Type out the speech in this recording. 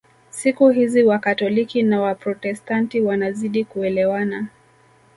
Siku hizi Wakatoliki na Waprotestanti wanazidi kuelewana